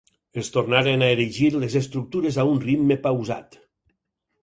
Es tornaren a erigir les estructures a un ritme pausat.